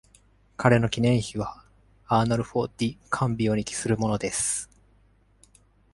彼の記念碑はアーノルフォ・ディ・カンビオに帰するものです。